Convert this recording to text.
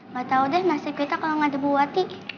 gatau deh nasib kita kalo gak ada ibu wati